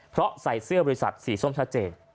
เพราะใส่เสื้อบริษัทสีส้มชัดเจน